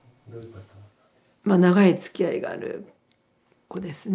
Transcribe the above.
まあ長いつきあいがある子ですね。